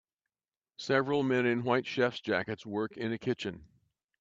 Several men in white chef 's jackets work in a kitchen.